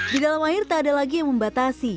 di dalam air tak ada lagi yang membatasi